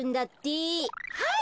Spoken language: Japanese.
はい。